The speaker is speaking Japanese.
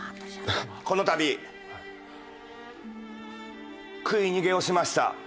この度食い逃げをしました。